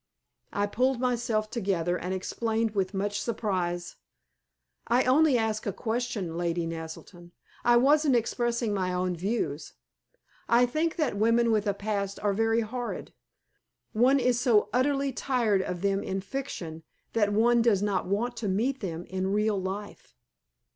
I pulled myself together, and explained with much surprise "I only asked a question, Lady Naselton. I wasn't expressing my own views. I think that women with a past are very horrid. One is so utterly tired of them in fiction that one does not want to meet them in real life.